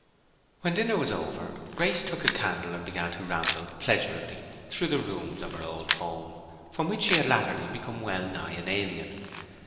When dinner was over, Grace took a candle and began to ramble pleasurably through the rooms of her old home, from which she had latterly become wellnigh an alien.